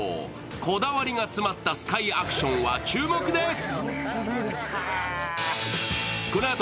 こだわりが詰まったスカイアクションは注目です！